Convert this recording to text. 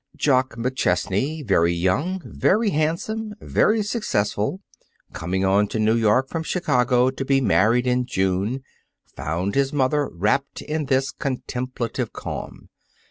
Jock McChesney, very young, very handsome, very successful, coming on to New York from Chicago to be married in June, found his mother wrapped in this contemplative calm.